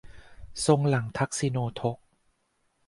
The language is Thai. ทรงหลั่งทักษิโณทก